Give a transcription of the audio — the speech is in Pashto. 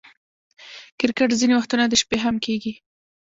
کرکټ ځیني وختونه د شپې هم کیږي.